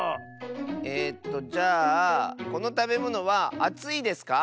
えっとじゃあこのたべものはあついですか？